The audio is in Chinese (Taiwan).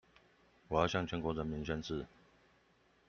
我要向全國人民宣示